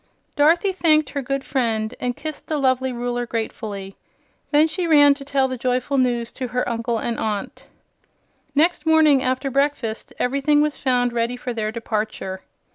Dorothy thanked her good friend and kissed the lovely Ruler gratefully. Then she ran to tell the joyful news to her uncle and aunt. Next morning, after breakfast, everything was found ready for their departure.